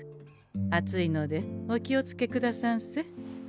熱いのでお気をつけくださんせ。